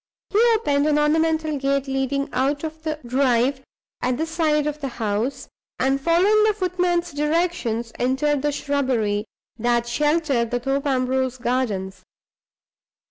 He opened an ornamental gate leading out of the drive at the side of the house, and, following the footman's directions, entered the shrubbery that sheltered the Thorpe Ambrose gardens.